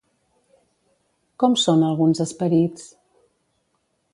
Com són alguns esperits?